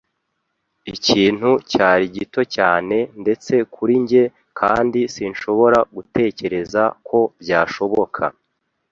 Ikintu cyari gito cyane, ndetse kuri njye, kandi sinshobora gutekereza ko byashoboka